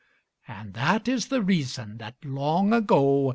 And that is the reason that long ago.